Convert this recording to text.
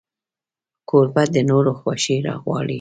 کوربه د نورو خوښي غواړي.